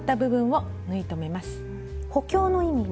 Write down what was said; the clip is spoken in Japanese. はい。